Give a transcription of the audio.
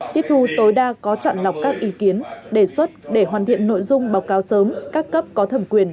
tiếp thu tối đa có chọn lọc các ý kiến đề xuất để hoàn thiện nội dung báo cáo sớm các cấp có thẩm quyền